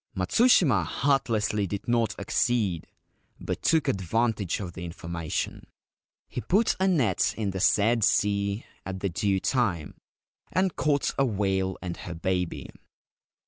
Matsushima heartlessly did not accede, but took advantage of the information. He put a net in the said sea at the due time, and caught a whale and her baby.